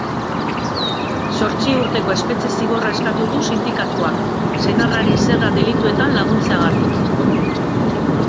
Zortzi urteko espetxe-zigorra eskatu du sindikatuak, senarrari zerga delituetan laguntzeagatik.